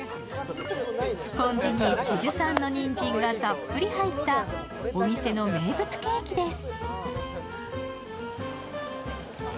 スポンジにチェジュ産のにんじんがたっぷり入ったお店の名物ケーキです。